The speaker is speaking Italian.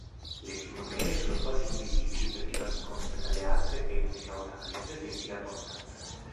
Le timoniere sono quasi invisibili perché nascoste dalle altre penne caudali, presenti in abbondanza.